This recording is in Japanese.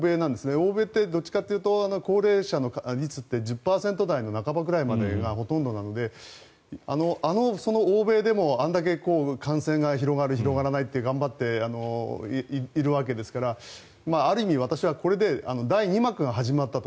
欧米ってどっちかというと高齢者の率って１０％台の半ばぐらいまでがほとんどなのでその欧米でもあれだけ感染が広がる、広がらないって頑張っているわけですからある意味、私はこれで第２幕が始まったと。